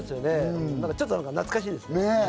ちょっと懐かしいですね。